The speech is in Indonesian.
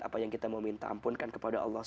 apa yang kita mau minta ampunkan kepada allah sw